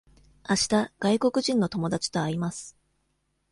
あした外国人の友達と会います。